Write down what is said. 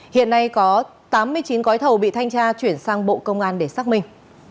hiện nay có tám mươi chín gói thầu bị thanh tra chuyển sang bộ công an để xác minh